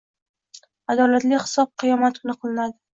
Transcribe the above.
Adolatli hisob qiyomat kuni qilinadi.